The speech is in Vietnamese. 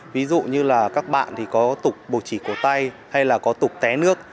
ví dụ như là các bạn thì có tục bồ chỉ cổ tay hay là có tục té nước